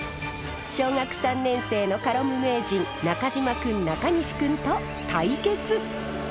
小学３年生のカロム名人中島くん中西くんと対決！